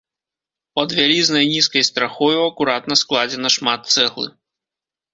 Пад вялізнай нізкай страхою акуратна складзена шмат цэглы.